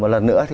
một lần nữa